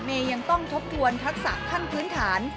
ยังต้องทบทวนทักษะขั้นพื้นฐาน